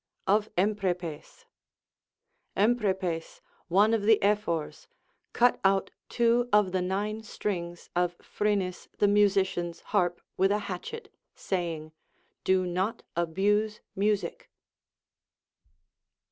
* Of Emprepes. Emprepes, one of the Ephors. cut out two of the nine strings of Phrynis the musician's harp with a hatchet, say ing, Do not abuse music.